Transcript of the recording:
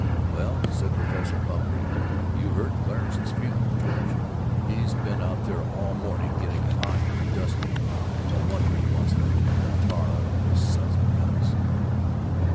"Well," said Professor Pumphrey, "you hurt Clarence's feelings, George. He's been out there all morning getting hot and dusty, and no wonder he wants to beat the tar out of those sons of guns!"